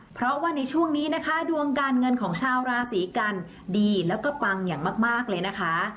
เพราะว่าในช่วงนี้นะคะดวงการเงินของชาวราศีกันดีแล้วก็ปังอย่างมากเลยนะคะ